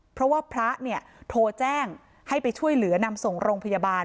เพราะว่าพระเนี่ยโทรแจ้งให้ไปช่วยเหลือนำส่งโรงพยาบาล